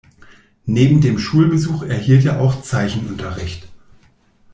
Neben dem Schulbesuch erhielt er auch Zeichenunterricht.